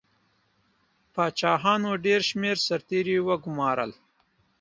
پاچاهانو ډېر شمېر سرتیري وګمارل.